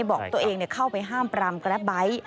บอกตัวเองเข้าไปห้ามปรามแกรปไบท์